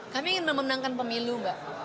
kami ingin memenangkan pemilu mbak